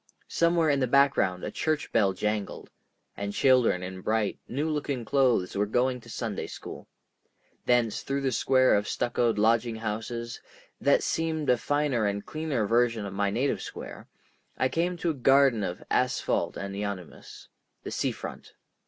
Somewhere in the background a church bell jangled, and children in bright, new looking clothes were going to Sunday school. Thence through a square of stuccoed lodging houses, that seemed a finer and cleaner version of my native square, I came to a garden of asphalt and euonymus—the Sea Front.